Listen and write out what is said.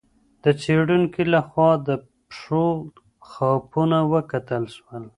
د څېړونکي لخوا د پښو خاپونه وکتل سول.